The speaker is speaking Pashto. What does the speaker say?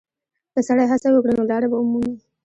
که سړی هڅه وکړي، نو لاره به ومومي.